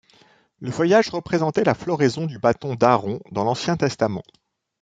Le feuillage représentait la floraison du bâton d'Aaron dans l'ancien testament.